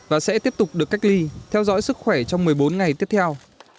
và sẽ tiếp tục được cách ly theo dõi sức khỏe trong một mươi bốn ngày tiếp theo